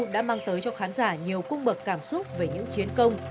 đã mang tới cho khán giả nhiều cung bậc cảm xúc về những chiến công